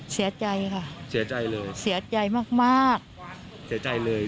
เสียใจค่ะเสียใจเลยเสียใจมากมากเสียใจเลย